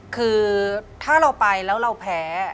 คือถ้าเราไปแล้วเราแพ้